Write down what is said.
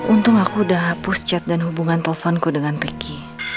untung aku udah haus chat dan hubungan teleponku dengan ricky